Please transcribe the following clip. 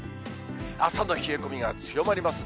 朝の冷え込みが強まりますね。